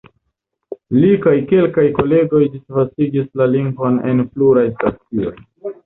Li kaj kelkaj kolegoj disvastigis la lingvon en pluraj stacioj.